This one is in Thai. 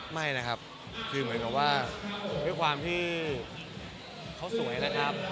ไม่นะครับคือเหมือนกับว่าด้วยความที่เขาสวยแล้วครับ